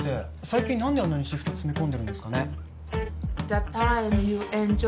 最近何であんなにシフト詰め込んでるんですかね？